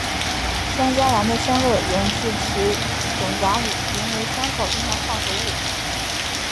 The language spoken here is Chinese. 香荚兰的香味源自其种荚里名为香草精的化合物。